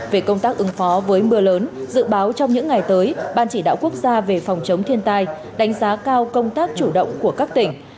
về công tác ứng phó với mưa lớn dự báo trong những ngày tới ban chỉ đạo quốc gia về phòng chống thiên tai đánh giá cao công tác chủ động của các tỉnh